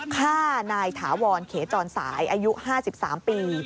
ฆ่านายถาวรเขจรสายอายุ๕๓ปี